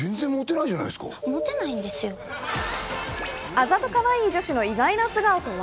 あざとかわいい女子の意外な素顔とは？